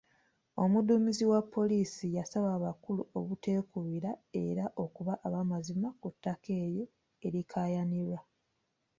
Omuduumizi wa poliisi yasaba abakulu obuteekubira era okuba ab'amazima ku ttaka eryo erikaayanirwa.